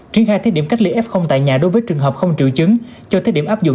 triển khai thiết điểm cách ly f tại nhà đối với trường hợp không triệu chứng cho thiết điểm áp dụng